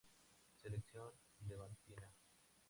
Selección Levantina.